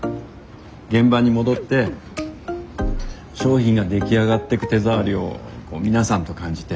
現場に戻って商品が出来上がっていく手触りをこう皆さんと感じて。